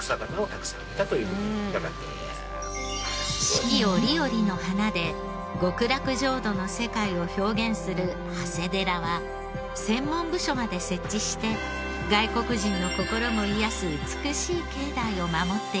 四季折々の花で極楽浄土の世界を表現する長谷寺は専門部署まで設置して外国人の心も癒やす美しい境内を守っていました。